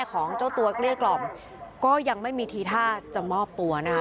ก็ยังไม่มีทีท่าจะมอบตัวนะคะ